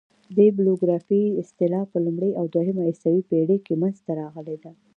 بیبلوګرافي اصطلاح په لومړۍ او دوهمه عیسوي پېړۍ کښي منځ ته راغلې ده.